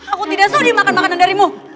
aku tidak sodik makan makanan darimu